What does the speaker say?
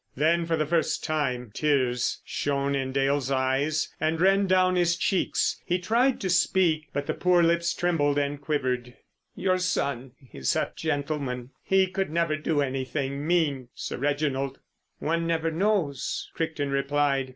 Then for the first time tears shone in Dale's eyes and ran down his cheeks. He tried to speak, but the poor lips trembled and quivered. "Your son—is a—gentleman. He could never do anything—mean, Sir Reginald." "One never knows," Crichton replied.